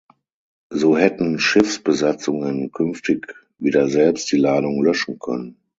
So hätten Schiffsbesatzungen künftig wieder selbst die Ladung löschen können.